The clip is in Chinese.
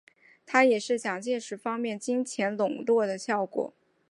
这也是蒋介石方面金钱拢络的效果。